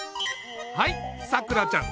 はいさくらちゃん